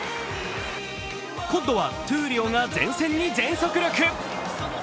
今度は闘莉王が前線に全速力。